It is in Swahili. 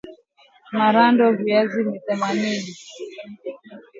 marando yaviazi yanatakiwa kuwa na ukubwa wa sentimita ishirini na tano hadi themanini